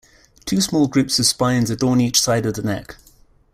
Two small groups of spines adorn each side of the neck.